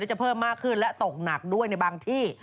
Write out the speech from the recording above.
จะเพิ่มมากขึ้นและตกหนักด้วยในบางที่